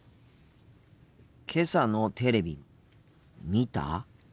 けさのテレビ見た？